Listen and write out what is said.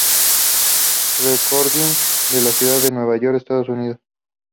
Recording de la ciudad de Nueva York, Estados Unidos.